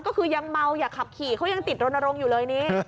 ก็คือยังเมาอย่าขับขี่เขายังติดรณรงค์อยู่เลยนี้